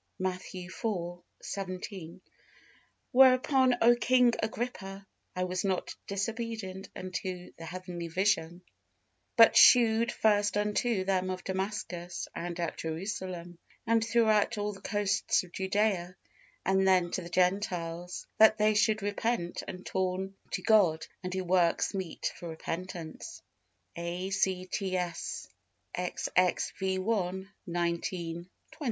MATT. iv. 17. "Whereupon, O King Agrippa, I was not disobedient unto the heavenly vision: but shewed first unto them of Damascus, and at Jerusalem, and throughout all the coasts of Judaea, and then to the Gentiles, that they should repent and torn to God, and do works meet for repentance." ACTS xxvi. 19,20.